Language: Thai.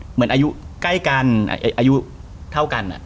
เหมือนอายุใกล้กันอายุเท่ากัน